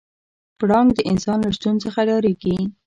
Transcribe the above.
پړانګ د انسان له شتون څخه ډارېږي.